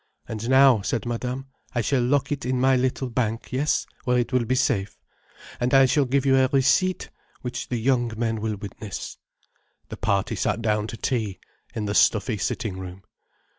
"And now," said Madame, "I shall lock it in my little bank, yes, where it will be safe. And I shall give you a receipt, which the young men will witness." The party sat down to tea, in the stuffy sitting room.